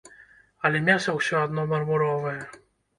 Але мяса ўсё адно мармуровае.